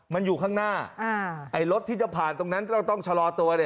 มันอยู่ข้างหน้าไอ้รถที่จะผ่านตรงนั้นเราต้องชะลอตัวเนี่ย